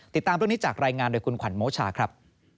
ติดตามเรื่องนี้จากรายงานโดยคุณขวัญโมชาครับ